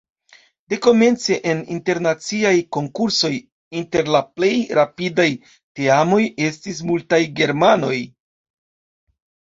Dekomence en internaciaj konkursoj inter la plej rapidaj teamoj estis multaj germanoj.